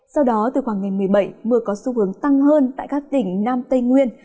sau đó từ khoảng ngày một mươi bảy mưa có xu hướng tăng hơn tại các tỉnh nam tây nguyên